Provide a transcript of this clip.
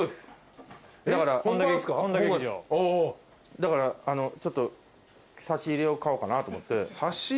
だからあのちょっと差し入れを買おうかなと思って。